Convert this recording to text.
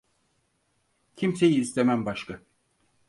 Kimseyi istemem başka